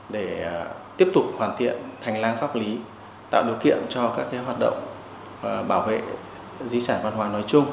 để tiếp tục hoàn thiện hành lang pháp lý tạo điều kiện cho các hoạt động bảo vệ di sản văn hóa nói chung